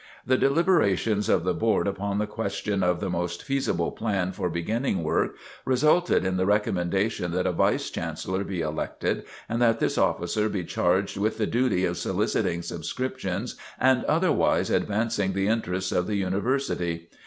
The deliberations of the Board upon the question of the most feasible plan for beginning work, resulted in the recommendation that a Vice Chancellor be elected, and that this officer be charged with the duty of soliciting subscriptions and otherwise advancing the interests of the University.